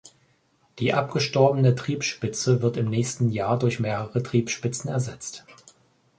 Die abgestorbene Triebspitze wird im nächsten Jahr durch mehrere Triebspitzen ersetzt.